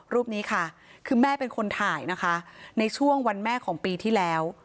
รูปนี้ค่ะคือแม่เป็นคนถ่ายนะคะในช่วงวันแม่ของปีที่แล้ว